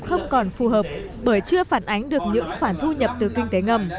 không còn phù hợp bởi chưa phản ánh được những khoản thu nhập từ kinh tế ngầm